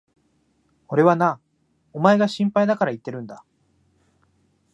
俺はな、おめえが心配だから言ってるんだ。